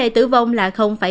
tử vong là bảy mươi chín